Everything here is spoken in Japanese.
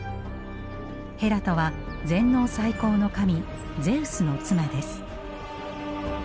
ヘラとは全能最高の神ゼウスの妻です。